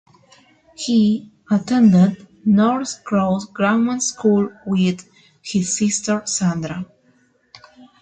He attended Norcross Grammar School with his sister, Sandra.